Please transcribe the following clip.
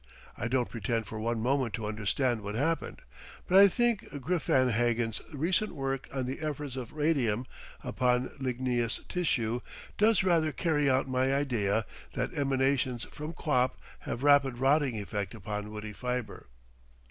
I don't pretend for one moment to understand what happened. But I think Greiffenhagen's recent work on the effects of radium upon ligneous tissue does rather carry out my idea that emanations from quap have rapid rotting effect upon woody fibre.